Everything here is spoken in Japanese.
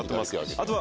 あとは。